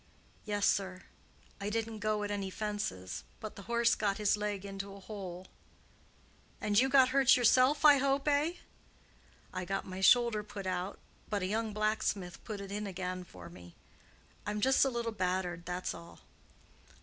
"Yes, sir. I didn't go at any fences, but the horse got his leg into a hole." "And you got hurt yourself, I hope, eh!" "I got my shoulder put out, but a young blacksmith put it in again for me. I'm just a little battered, that's all."